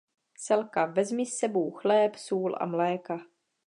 Selka, vezmi s sebú chléb, sůl a mléka.